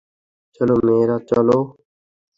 চলো, মেয়েরা, চলো।